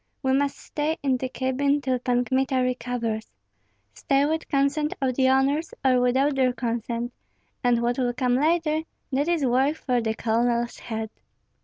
We must stay in the cabin till Pan Kmita recovers, stay with consent of the owners or without their consent; and what will come later, that is work for the colonel's head."